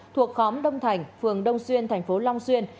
thuộc khóm đông thành phường đông xuyên thành phố long xuyên